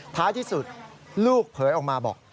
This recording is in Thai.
ท้ายที่สุดลูกเผยออกมาบอก